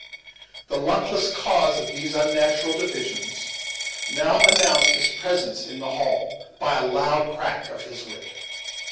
The luckless cause of these unnatural divisions now announced his presence in the halt by a loud crack of his whip.